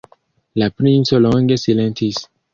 La princo longe silentis.